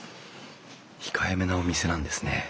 控えめなお店なんですね。